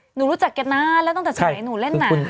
หนูรู้จักแกนานแล้วตั้งแต่สมัยหนูเล่นหนัง